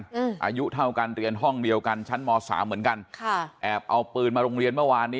อายุเท่ากันเรียนห้องเดียวกันชั้นมสามเหมือนกันค่ะแอบเอาปืนมาโรงเรียนเมื่อวานนี้